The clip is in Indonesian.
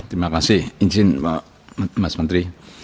terima kasih izin mas menteri